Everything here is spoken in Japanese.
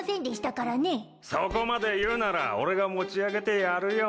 そこまで言うなら俺が持ち上げてやるよ。